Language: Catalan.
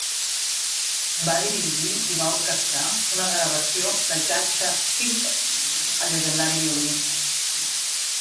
Va dirigir i va orquestrar una gravació de Jascha Heifetz, el llegendari violinista.